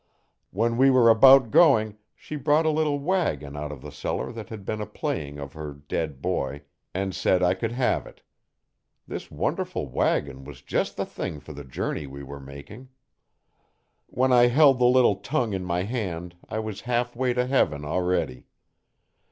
When we were about going she brought a little wagon out of the cellar that had been a playing of her dead boy, and said I could have it. This wonderful wagon was just the thing for the journey we were making. When I held the little tongue in my hand I was half way to heaven already.